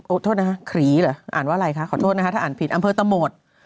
โทษนะคะขรีเหรออ่านว่าอะไรคะขอโทษนะคะถ้าอ่านผิดอำเภอตะโหมด